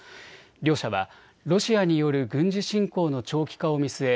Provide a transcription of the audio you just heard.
両者はロシアによる軍事侵攻の長期化を見据え